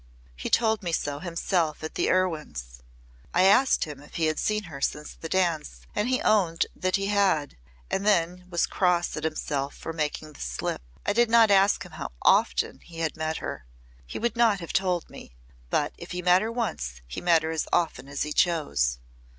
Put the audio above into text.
He told me so himself at the Erwyn's. I asked him if he had seen her since the dance and he owned that he had and then was cross at himself for making the slip. I did not ask him how often he had met her. He would not have told me. But if he met her once he met her as often as he chose.'